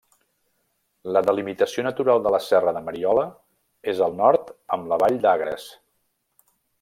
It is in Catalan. La delimitació natural de la serra de Mariola és al nord amb la vall d'Agres.